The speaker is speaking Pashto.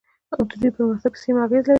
د دوی پرمختګ په سیمه اغیز لري.